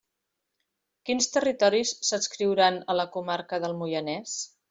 Quins territoris s'adscriuran a la comarca del Moianès?